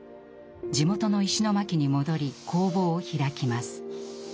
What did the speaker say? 地元の石巻に戻り工房を開きます。